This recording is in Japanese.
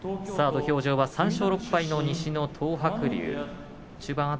土俵上は３勝６敗の東白龍。